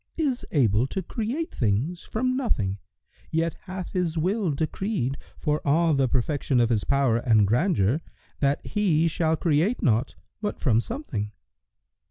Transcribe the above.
is able to create things from nothing,[FN#118] yet hath His will decreed, for all the perfection of His power and grandeur, that He shall create naught but from something."